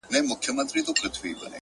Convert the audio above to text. سیاه پوسي ده ـ افغانستان دی ـ